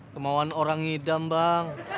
kemauan orang ngidam bang